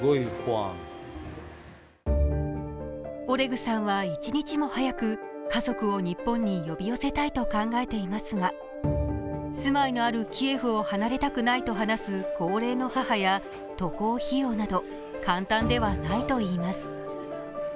オレグさんは一日も早く家族を日本に呼び寄せたいと考えていますが住まいのあるキエフを離れたくないと話す高齢の母や渡航費用など、簡単ではないといいます。